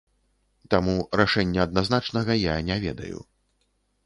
Таму рашэння адназначнага я не ведаю.